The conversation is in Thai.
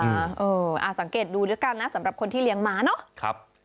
เอ่ออ่าสังเกตดูด้วยกันนะสำหรับคนที่เลี้ยงหมาเนอะ